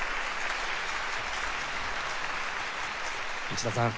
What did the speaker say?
内田さん。